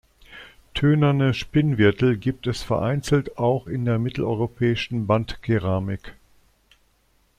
Tönerne Spinnwirtel gibt es vereinzelt auch in der mitteleuropäischen Bandkeramik.